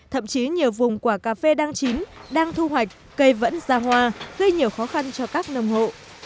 thậm chí nhiều vùng quả cà phê đang chín đang thu hoạch cây vẫn ra hoa gây nhiều khó khăn cho các nông hộ